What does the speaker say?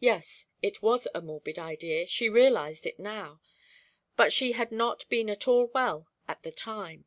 Yes, it was a morbid idea she realized it now, but she had not been at all well at the time.